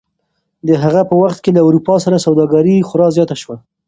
د هغه په وخت کې له اروپا سره سوداګري خورا زیاته شوه.